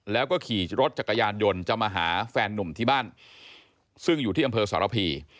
แล้วก็ขี่รถจักรยานยนต์จะมาหาแฟนนุ่มที่บ้านซึ่งอยู่ที่อำเภอสารพี